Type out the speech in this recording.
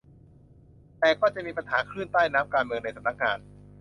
แต่ก็จะมีปัญหาคลื่นใต้น้ำการเมืองในสำนักงาน